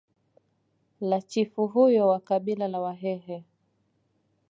la chifu huyo wa kabila la wahehe